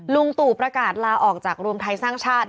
ลุงตู่ประกาศลาออกจากรวมไทยสร้างชาติ